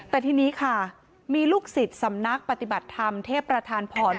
แต่ทีนี้ค่ะมีลูกศิษย์สำนักปฏิบัติธรรมเทพประธานพร